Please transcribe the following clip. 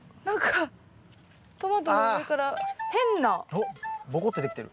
おっぼこってできてる。